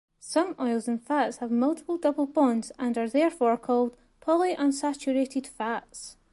Some oils and fats have multiple double bonds and are therefore called polyunsaturated fats.